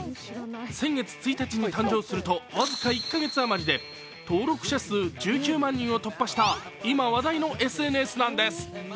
先月１日に誕生すると、僅か１か月余りで登録者数１９万人を突破した今話題のＳＮＳなんです。